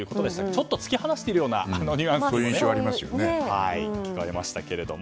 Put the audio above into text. ちょっと突き放しているようなニュアンスに聞こえましたが。